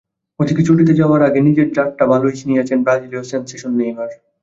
ওদিকে ছুটিতে যাওয়ার আগে নিজের জাতটা ভালোই চিনিয়েছেন ব্রাজিলীয় সেনসেশন নেইমার।